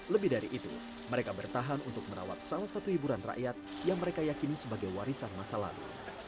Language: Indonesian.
lebih dari itu mereka bertahan untuk merawat salah satu hiburan rakyat yang mereka yakini sebagai warisan masa lalu